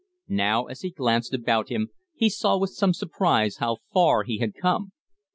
Now, as he glanced about him, he saw with some surprise how far he had come.